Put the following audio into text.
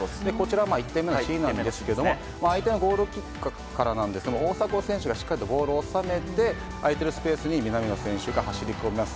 １点目のシーンですが相手のゴールキックから大迫選手がしっかりボールを収めて空いているスペースに南野選手が走りこみます。